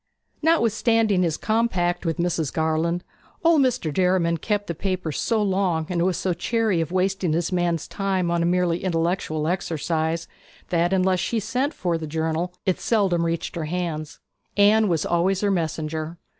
Notwithstanding his compact with Mrs. Garland, old Mr. Derriman kept the paper so long, and was so chary of wasting his man's time on a merely intellectual errand, that unless she sent for the journal it seldom reached her hands. Anne was always her messenger.